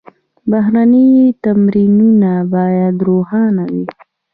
بهرني تمویلونه باید روښانه وي.